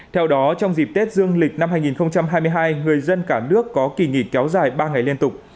theo đó trong dịp tết dương lịch năm hai nghìn hai mươi hai người dân cả nước có kỳ nghỉ kéo dài ba ngày liên tục